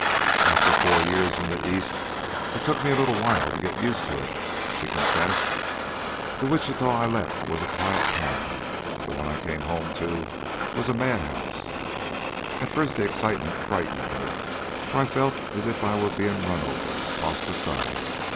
"After four years in the East it took me a little while to get used to it," she confessed. "The Wichita I left was a quiet town; the one I came home to was a madhouse. At first the excitement frightened me, for I felt as if I were being run over, tossed aside.